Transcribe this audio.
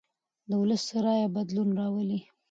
د ولس رایه بدلون راولي